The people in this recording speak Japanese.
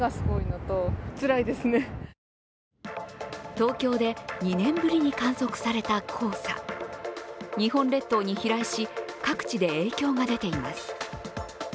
東京で２年ぶりに観測された黄砂日本列島に飛来し各地で影響が出ています。